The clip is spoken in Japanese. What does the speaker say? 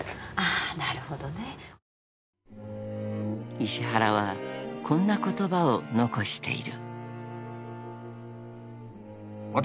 ［石原はこんな言葉を残している］